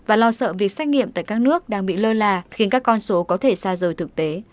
và lo sợ việc xét nghiệm tại các nước đang bị lơ là khiến các con số có thể xa rời thực tế